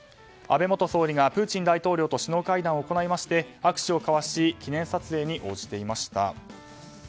安倍元総理がプーチン大統領と首脳会談をしまして握手を交わし記念撮影に応じていました。